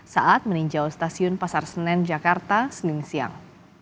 saat meninjau stasiun pasar senen jakarta senin siang